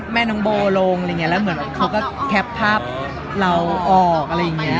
แม่น้องโบะบอกแล้วเว้ยเหมือนเค้าก็แคปภาพเราออกอะไรอย่างเงี้ย